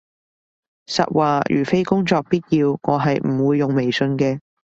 實話，如非工作必要，我係唔會用微信嘅